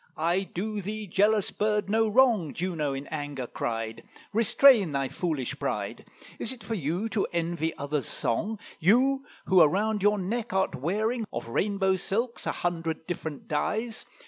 "I do thee, jealous bird, no wrong," Juno, in anger, cried: "Restrain thy foolish pride. Is it for you to envy other's song? You who around your neck art wearing Of rainbow silks a hundred different dyes?